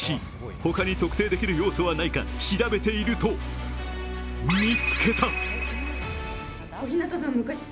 他に特定できる要素はないか調べていると見つけた！